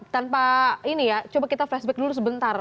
tanpa ini ya coba kita flashback dulu sebentar